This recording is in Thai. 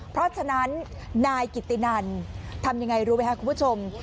เพราะฉะนั้นนายกิตินันทำยังไงรู้ไหมครับคุณผู้ชม